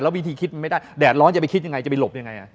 วิธีคิดมันไม่ได้แดดร้อนจะไปคิดยังไงจะไปหลบยังไง